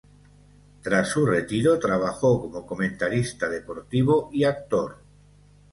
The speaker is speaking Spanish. Tras su retiro trabajó como comentarista deportivo y actor.